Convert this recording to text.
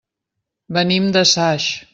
Venim de Saix.